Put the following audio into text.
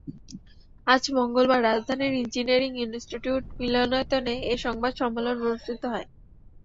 আজ মঙ্গলবার রাজধানীর ইঞ্জিনিয়ারিং ইনস্টিটিউট মিলনায়তনে এ সংবাদ সম্মেলন অনুষ্ঠিত হয়।